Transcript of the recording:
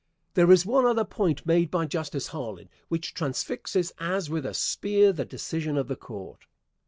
There is one other point made by Justice Harlan which transfixes as with a spear the decision of the Court.